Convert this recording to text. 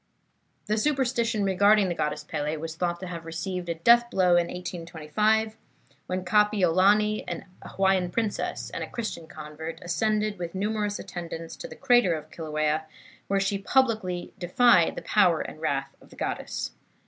The superstition regarding the Goddess Pele was thought to have received a death blow in 1825, when Kapiolani, an Hawaiian princess and a Christian convert, ascended, with numerous attendants, to the crater of Kilauea, where she publicly defied the power and wrath of the goddess.